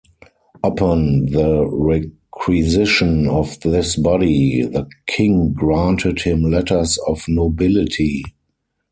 Upon the requisition of this body the king granted him letters of nobility.